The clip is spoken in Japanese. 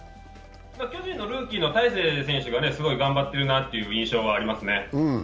巨人のルーキーの大勢選手がすごい頑張っているなという気がしますね。